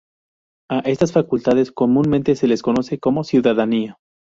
A estas facultades comúnmente se les conoce como ciudadanía.